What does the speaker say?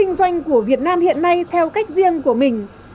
cộng đồng doanh nghiệp việt nam hiện nay theo cách riêng của mình